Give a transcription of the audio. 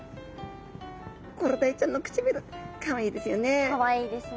コロダイちゃんの唇かわいいですよね